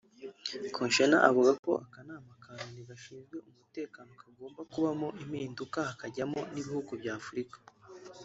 Kouchner avuga ko Akanama ka Loni gashinzwe umutekano kagomba kubamo impinduka hakajyamo n’ibihugu by’Afurika